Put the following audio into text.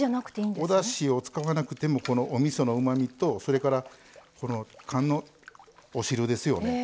おだしを使わなくてもおみそのうまみとそれから缶のお汁ですよね